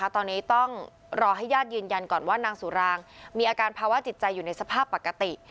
ตอนนี้ต้องรอให้ญาติยืนยันก่อนว่านางสุรางมีอาการภาวะจิตใจอยู่ในสภาพปกติ